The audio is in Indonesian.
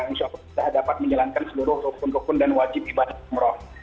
insya allah kita dapat menjalankan seluruh rukun rukun dan wajib ibadah umroh